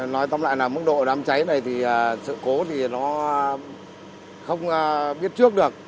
nói tóm lại là mức độ đám cháy này thì sự cố thì nó không biết trước được